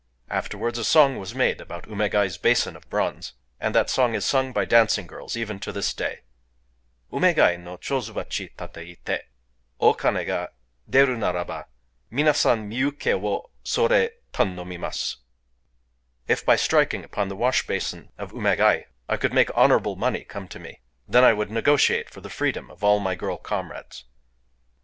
Afterwards a song was made about Umégaë's basin of bronze; and that song is sung by dancing girls even to this day:— Umégaë no chōzubachi tataïté O kané ga déru naraba Mina San mi uké wo Sōré tanomimasu ["_If, by striking upon the wash basin of Umégaë, I could make honorable money come to me, then would I negotiate for the freedom of all my girl comrades.